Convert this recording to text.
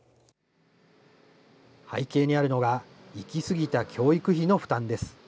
背景にあるのが、行き過ぎた教育費の負担です。